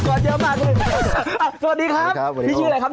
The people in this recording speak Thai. เยอะมากสวัสดีครับพี่ชื่ออะไรครับ